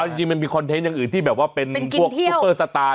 บ๊วยมนั่นจริงมันมีคอนเทนต์เรื่องอื่นพวกทูเปอร์สตาร์